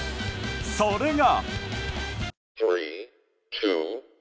それが。